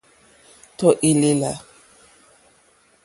Tɔ̀ èlèlà.